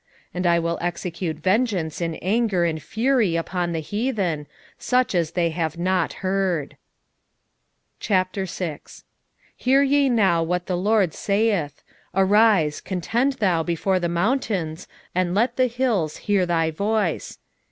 5:15 And I will execute vengeance in anger and fury upon the heathen, such as they have not heard. 6:1 Hear ye now what the LORD saith; Arise, contend thou before the mountains, and let the hills hear thy voice.